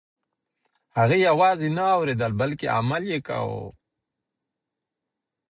هغې یوازې نه اورېدل بلکه عمل یې کاوه.